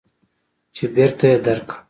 چې بېرته يې درکم.